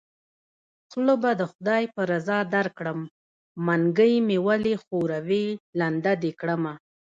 خوله به د خدای په رضا درکړم منګۍ مې ولی ښوروی لنده دې کړمه